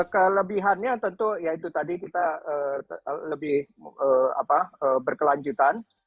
kelebihannya tentu ya itu tadi kita lebih berkelanjutan